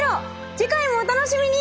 次回もお楽しみに！